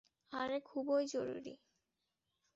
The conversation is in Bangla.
আরে, খুবই জরুরি।